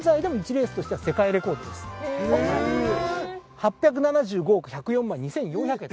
８７５億１０４万２，４００円。